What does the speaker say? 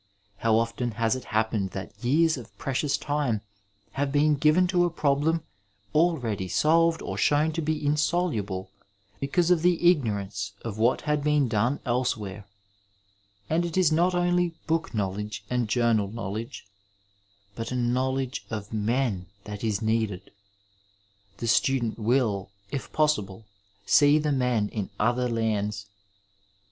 How often has it happened that y^ars of precious time have been given to a problem already solved or shown to be insoluble, because of the igncHrance of what had been done elsewhere. And it is not only book know ledge and journal knowledge, but a knowledge of men that is needed The student will, if possible, see the men in 420 Digitized by VjOOQiC THE STUDENT LIFE other lands.